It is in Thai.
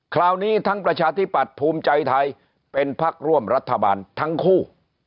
คราวนี้ทั้งประชาธิปัตย์ภูมิใจไทยเป็นพักร่วมรัฐบาลทั้งคู่